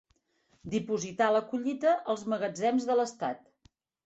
Dipositar la collita als magatzems de l'estat.